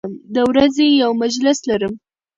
د ورځې یو مجلس لرم